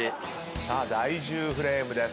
さあ第１０フレームです。